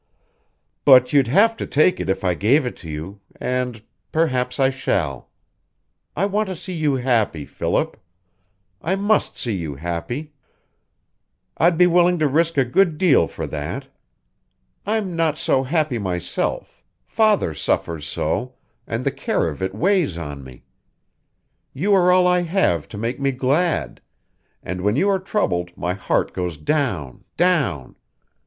"But you'd have to take it if I gave it to you, and perhaps I shall. I want to see you happy, Philip; I must see you happy. I'd be willing to risk a good deal for that. I'm not so happy myself, father suffers so, and the care of it weighs on me. You are all I have to make me glad, and when you are troubled my heart goes down, down.